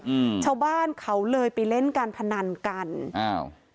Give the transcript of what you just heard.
อืมชาวบ้านเขาเลยไปเล่นการพนันกันอ้าว